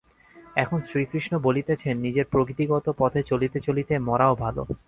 এখন শ্রীকৃষ্ণ বলিতেছেন নিজের প্রকৃতিগত পথে চলিতে চলিতে মরাও ভাল।